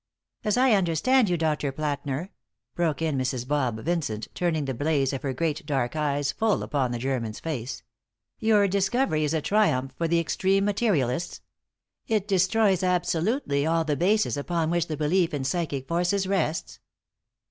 "As I understand you, Dr. Plätner," broke in Mrs. "Bob" Vincent, turning the blaze of her great, dark eyes full upon the German's face, "your discovery is a triumph for the extreme materialists? It destroys absolutely all the bases upon which the belief in psychic forces rests?